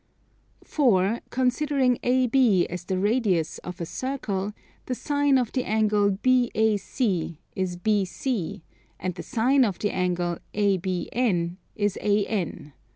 For, considering AB as the radius of a circle, the Sine of the angle BAC is BC, and the Sine of the angle ABN is AN.